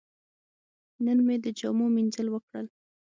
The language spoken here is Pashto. نن مې د جامو مینځل وکړل.